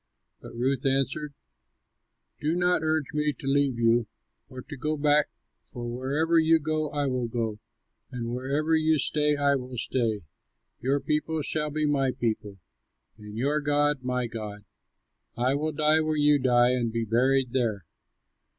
But Ruth answered, "Do not urge me to leave you or to go back, for wherever you go I will go, and wherever you stay I will stay; your people shall be my people, and your God my God; I will die where you die and be buried there.